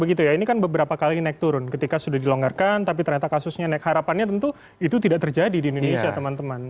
ini kan beberapa kali naik turun ketika sudah dilonggarkan tapi ternyata kasusnya naik harapannya tentu itu tidak terjadi di indonesia teman teman